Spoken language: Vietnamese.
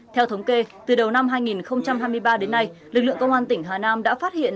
theo thống kê từ đầu năm hai nghìn hai mươi ba đến nay lực lượng công an tỉnh hà nam đã phát hiện